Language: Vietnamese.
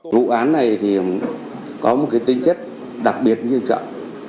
vụ án này có một tính chất đặc biệt nghiêm trọng